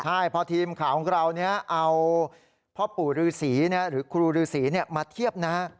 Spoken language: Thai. ใช่พอทีมขาวของเราเนี่ยเอาพ่อปู่รือศรีเนี่ยหรือครูรือศรีเนี่ยมาเทียบนะ